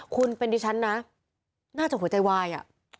คุณเป็นดิฉันนะน่าจะหัวใจวายอ่ะ